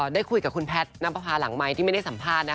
ได้คุยกับคุณแพทย์น้ำประพาหลังไหมที่ไม่ได้สัมภาษณ์นะคะ